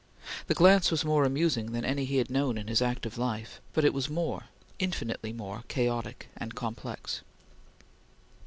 The glance was more amusing than any he had known in his active life, but it was more infinitely more chaotic and complex.